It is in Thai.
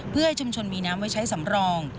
เพื่อให้ชุมชนมีน้ำไว้ใช้สำรอง